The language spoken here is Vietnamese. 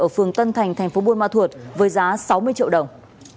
ở phường tân thành tp buôn ma thuột với giá sáu mươi triệu đồng